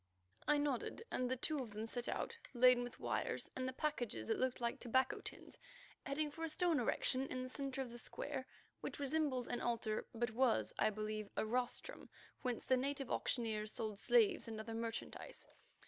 I nodded and the two of them set out laden with wires and the packages that looked like tobacco tins, heading for a stone erection in the centre of the square which resembled an altar, but was, I believe, a rostrum whence the native auctioneers sold slaves and other merchandise.